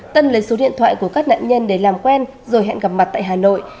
tân lấy số điện thoại của các nạn nhân để làm quen rồi hẹn gặp mặt tại hà nội